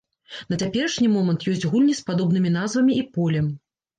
На цяперашні момант ёсць гульні з падобнымі назвамі і полем.